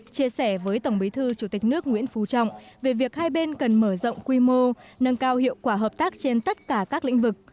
chia sẻ với tổng bí thư chủ tịch nước nguyễn phú trọng về việc hai bên cần mở rộng quy mô nâng cao hiệu quả hợp tác trên tất cả các lĩnh vực